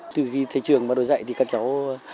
từ khi thầy trường đổi dạy thì các cháu